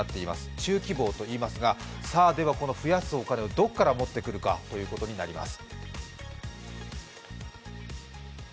中期防と言いますが、このお金をどこから持ってくるかということになります。